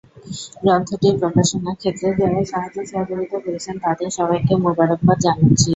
গ্রন্থটির প্রকাশনার ক্ষেত্রে যারা সাহায্য-সহযোগিতা করেছেন তাদের সবাইকে মুবারকবাদ জানাচ্ছি।